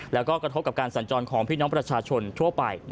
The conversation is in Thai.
แล้วก็กระทบกับการสัญจรของพี่น้องประชาชนทั่วไป